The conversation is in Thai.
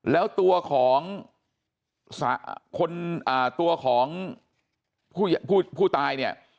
แล้วตัวของคนตัวของผู้ตายเนี่ย